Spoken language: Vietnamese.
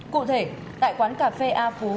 cụ thể tại quán cà phê a phú